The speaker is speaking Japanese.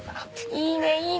いいねいいね！